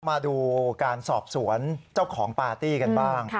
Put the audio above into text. มาดูการสอบสวนเจ้าของปาร์ตี้กันบ้าง